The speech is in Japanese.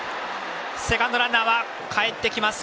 セカンドランナーかえってきました。